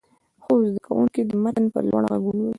څو زده کوونکي دې متن په لوړ غږ ولولي.